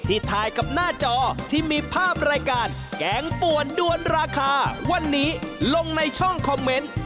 ถ่ายกับหน้าจอที่มีภาพรายการแกงป่วนด้วนราคาวันนี้ลงในช่องคอมเมนต์